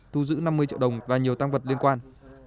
thu giữ năm mươi triệu đồng và nhiều tăng vật liên quan